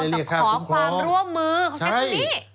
แต่ขอความร่วมมือเขาใช้คำนี้